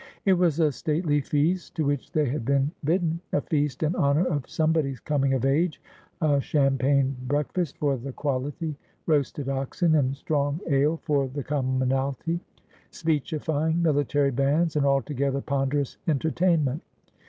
It was a stately feast to which they had been bidden — a feast in honour of somebody's coming of age : a champagne breakfast 100 Asphodel. for the quality, roasted oxen and strong ale for the commonalty, speechifying, military bands — an altogether ponderous entertain ment.